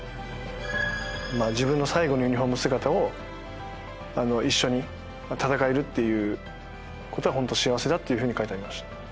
「自分の最後のユニホーム姿を一緒に戦えるっていう事は本当に幸せだ」っていう風に書いてありました。